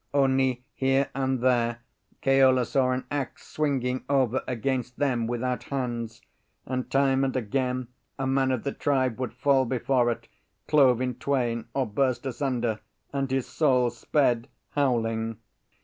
only here and there Keola saw an axe swinging over against them without hands; and time and again a man of the tribe would fall before it, clove in twain or burst asunder, and his soul sped howling.